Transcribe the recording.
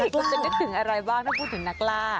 คุณจะนึกถึงอะไรบ้างถ้าพูดถึงนักล่า